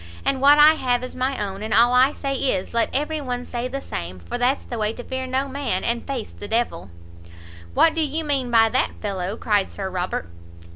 And what I have is my own, and all I say is, let every one say the same, for that's the way to fear no man, and face the d l." "What do you mean by that, fellow?" cried Sir Robert.